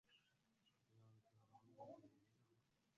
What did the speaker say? يالدهر قمنا به في أمان